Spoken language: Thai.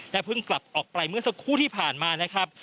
เพิ่งกลับออกไปเมื่อสักครู่ที่ผ่านมานะครับ